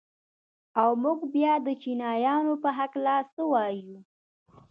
او موږ بيا د چينايانو په هکله څه وايو؟